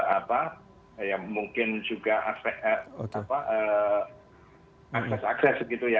apa ya mungkin juga akses akses gitu ya